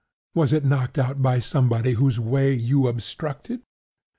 Was it knocked out by somebody whose way you obstructed?"